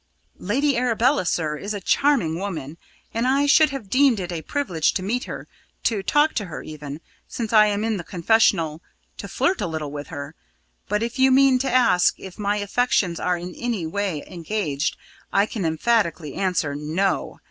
"Lady Arabella, sir, is a charming woman, and I should have deemed it a privilege to meet her to talk to her even since I am in the confessional to flirt a little with her. But if you mean to ask if my affections are in any way engaged, I can emphatically answer 'No!'